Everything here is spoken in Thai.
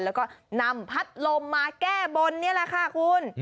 แล้วก็นำพัดลมมาแก้บนนี่แหละค่ะคุณ